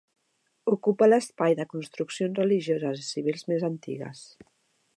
Ocupa l'espai de construccions religioses i civils més antigues.